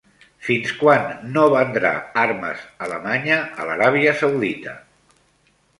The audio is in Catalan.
Fins quan no vendrà armes Alemanya a l'Aràbia Saudita?